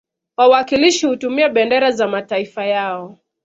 Wawakilishi hutumia bendera za mataifa yao